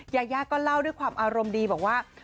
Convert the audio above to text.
ยายาก็เล่าด้วยความอารมณ์ดีบอกว่า